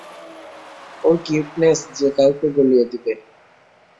ওর cuteness যে কেউকে গলিয়ে দেবে।